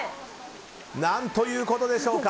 何ということでしょうか。